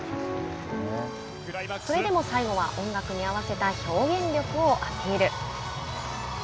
それでも最後は音楽に合わせた表現力をアピール。